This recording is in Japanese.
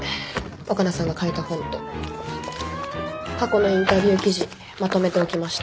若菜さんが書いた本と過去のインタビュー記事まとめておきました。